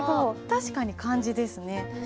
確かに漢字ですね。